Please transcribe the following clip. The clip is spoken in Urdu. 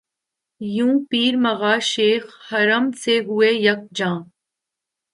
یوں پیر مغاں شیخ حرم سے ہوئے یک جاں